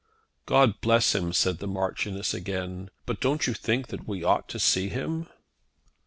"God bless him!" said the Marchioness, again. "But don't you think that we ought to see him?"